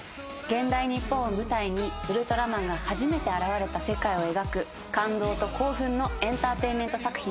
現代日本を舞台にウルトラマンが初めて現れた世界を描く感動と興奮のエンターテインメント作品です。